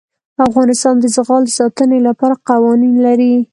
افغانستان د زغال د ساتنې لپاره قوانین لري.